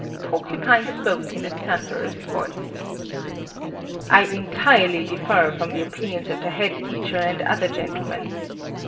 Porcupine spoke in a thunderous voice: "I entirely differ from the opinions of the head teacher and other gentlemen.